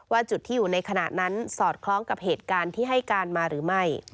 จุดที่อยู่ในขณะนั้นสอดคล้องกับเหตุการณ์ที่ให้การมาหรือไม่